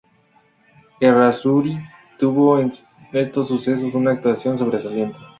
Errázuriz tuvo en estos sucesos una actuación sobresaliente.